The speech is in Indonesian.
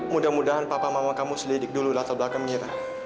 mudah mudahan papa mama kamu selidik dulu latar belakang kita